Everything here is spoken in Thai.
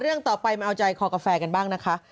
เรื่องต่อไปมาเอาใจคอกาแฟกันบ้างนะคะ